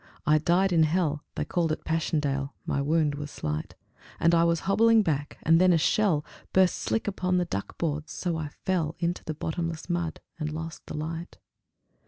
I died in hell (They called it Passchendaele); my wound was slight, And I was hobbling back, and then a shell Burst slick upon the duck boards; so I fell Into the bottomless mud, and lost the light.